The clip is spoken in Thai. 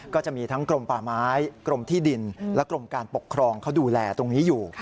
ก็จะมีทั้งกรมป่าไม้กรมที่ดินและกรมการปกครองเขาดูแลตรงนี้อยู่